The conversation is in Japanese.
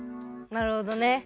なるほどね。